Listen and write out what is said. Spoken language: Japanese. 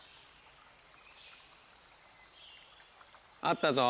あったぞ。